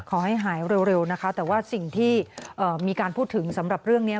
ขอให้หายเร็วนะคะแต่ว่าสิ่งที่มีการพูดถึงสำหรับเรื่องนี้